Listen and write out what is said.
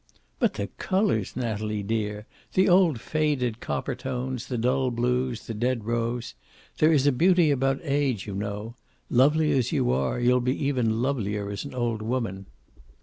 "But the colors, Natalie dear! The old faded 'copper tones, the dull blues, the dead rose! There is a beauty about age, you know. Lovely as you are, you'll be even lovelier as an old woman."